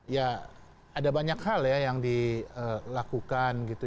ya ada banyak hal ya yang dilakukan gitu